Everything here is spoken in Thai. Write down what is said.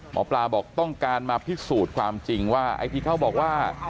หมอปลาบอกต้องการมาพิสูจน์ความจริงว่าไอ้ที่เขาบอกว่า